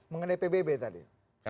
mengenai pbb tadi